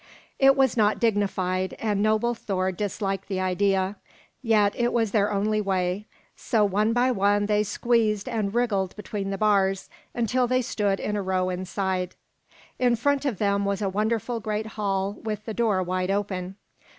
It was not dignified, and noble Thor disliked the idea. Yet it was their only way; so one by one they squeezed and wriggled between the bars, until they stood in a row inside. In front of them was a wonderful great hall with the door wide open.